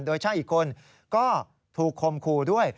โดยช่างอีกคนก็ถูกคมคู่ด้วย